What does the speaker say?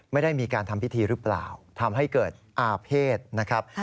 ไม่ได้มีการทำพิธีหรือเปล่าทำให้เกิดอาเภษนะครับ